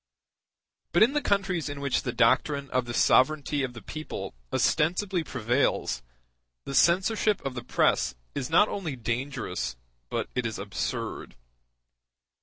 But in the countries in which the doctrine of the sovereignty of the people ostensibly prevails, the censorship of the press is not only dangerous, but it is absurd.